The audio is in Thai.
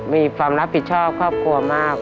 มีความรับผิดชอบครอบครัวมาก